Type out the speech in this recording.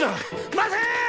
待て！